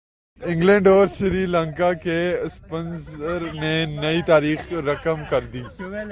England اور سری لنکا کے اسپنرز نے نئی تاریخ رقم کر دی